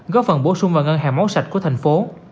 góp phần bổ sung vào ngân hàng máu sạch của thành phố